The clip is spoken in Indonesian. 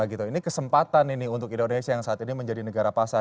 ini kesempatan ini untuk indonesia yang saat ini menjadi negara pasar